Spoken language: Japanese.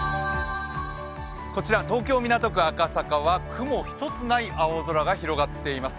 こちら、東京・港区赤坂は雲１つない青空が広がっています。